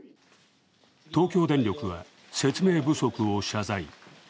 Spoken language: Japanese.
東京電力は説明不足を謝罪。